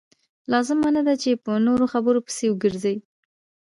لازمه نه ده چې په نورو خبرو پسې وګرځئ.